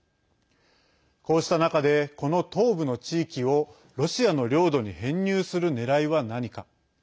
こうした中で、この東部の地域をロシアの領土に編入するねらいは何か。